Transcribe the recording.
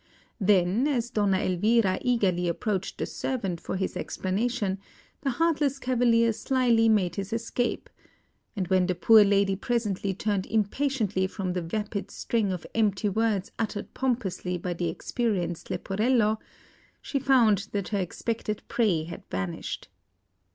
Then, as Donna Elvira eagerly approached the servant for his explanation, the heartless cavalier slyly made his escape; and when the poor lady presently turned impatiently from the vapid string of empty words uttered pompously by the experienced Leporello, she found that her expected prey had vanished.